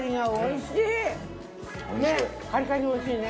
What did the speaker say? カリカリでおいしいね。